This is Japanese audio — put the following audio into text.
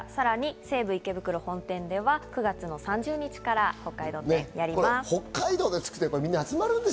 西武池袋本店では９月の３０日から北海道展をやります。